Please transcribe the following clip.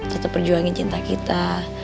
tetep berjuangin cinta kita